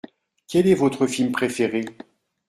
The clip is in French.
Quel est votre film préféré ?